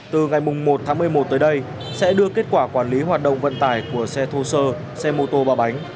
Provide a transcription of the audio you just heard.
từ ngày một tháng một mươi một tới đây sẽ đưa kết quả quản lý hoạt động vận tải của xe thô sơ xe mô tô ba bánh